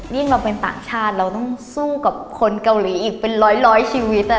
เราเป็นต่างชาติเราต้องสู้กับคนเกาหลีอีกเป็นร้อยชีวิต